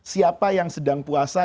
siapa yang sedang puasa